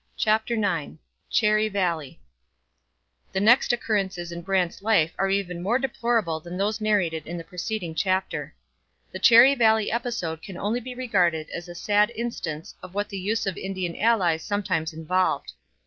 CHAPTER IX CHERRY VALLEY The next occurrences in Brant's life are even more deplorable than those narrated in the preceding chapter. The Cherry Valley episode can only be regarded as a sad instance of what the use of Indian allies sometimes involved.